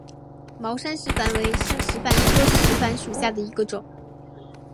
卷毛山矾为山矾科山矾属下的一个种。